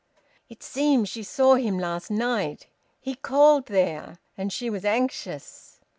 "It seems she saw him last night. He called there. And she was anxious."